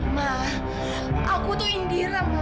mama aku tuh indira ma